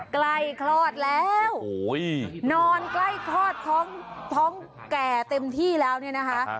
คลอดแล้วนอนใกล้คลอดท้องท้องแก่เต็มที่แล้วเนี่ยนะคะ